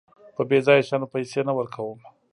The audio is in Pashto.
په بېځايه شيانو پيسې نه ورکوم.